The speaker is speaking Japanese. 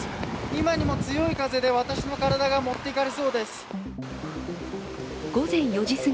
今にも強い風で私の体が持っていかれそうです。